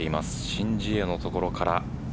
申ジエのところから。